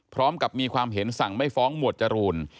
พร้อมกับมีความเห็นสั่งไม่ฟ้องหมวดจรูน